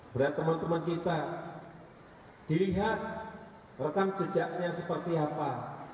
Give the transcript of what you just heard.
berat teman teman kita dilihat rekam jejaknya seperti apa